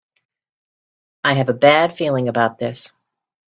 I have a bad feeling about this!